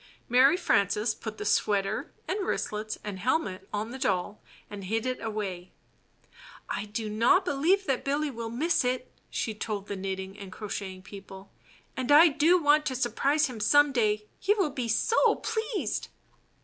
Mary Frances put the sweater and wristlets and helmet on the doll and hid it away. "I do not beheve that Billy will miss it/' she told the Knitting and Crocheting People; ''and I do want to surprise him some day. He will be so pleased."